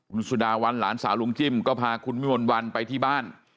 คุณสุดาวันหลานสาวลุงจิ้มก็พาคุณวิมนต์วันไปที่บ้าน